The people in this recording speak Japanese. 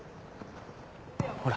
ほら。